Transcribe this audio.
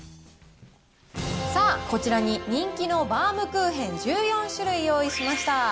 さあ、こちらに人気のバウムクーヘン１４種類用意しました。